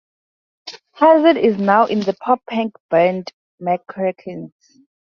Hazard is now in the pop punk band Mcrackins.